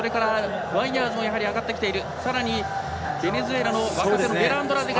ワイヤーズも上がってきている。